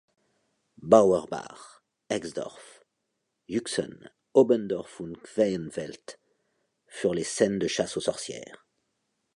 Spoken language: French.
Bauerbach, Exdorf, Jüchsen, Obendorf und Queienfeld furent les scènes de chasses aux sorcières.